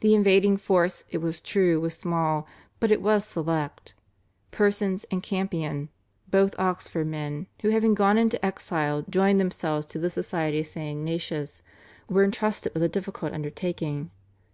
The invading force it was true was small, but it was select. Persons and Campion, both Oxford men, who having gone into exile joined themselves to the Society of St. Ignatius, were entrusted with the difficult undertaking.